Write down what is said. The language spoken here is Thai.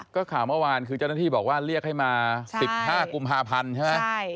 ก็ข่าวเมื่อวานคือเจ้าหน้าที่บอกว่าเรียกให้มา๑๕กุมภาพันธ์ใช่ไหม